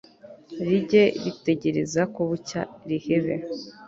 rijye ritegereza ko bucya rihebe